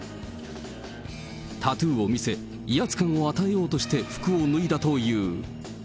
タトゥーを見せ、威圧感を与えようとして服を脱いだという。